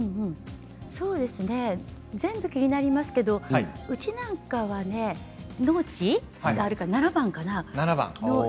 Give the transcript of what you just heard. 全部気になりますけどうちなんかはね農地があるから７番かな。